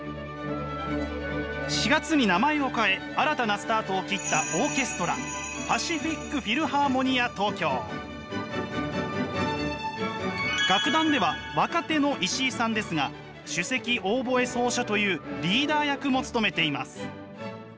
４月に名前を変え新たなスタートを切ったオーケストラ楽団では若手の石井さんですが首席オーボエ奏者というリーダー役も務めています。